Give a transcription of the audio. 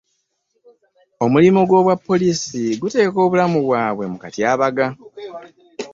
Omulimu gw’obwa poliisi guteeka obulamu bwabwe mu katyabaga.